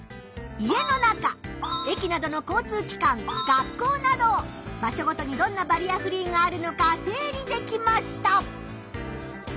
家の中駅などの交通きかん学校など場所ごとにどんなバリアフリーがあるのか整理できました！